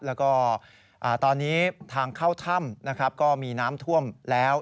แล้วก็ตอนนี้ทางเข้าถ้ำนะครับก็มีน้ำท่วมแล้ว